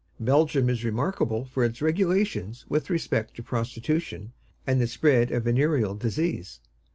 Belgium is remarkable for its regulations with respect to prostitution and the spread of venereal disease.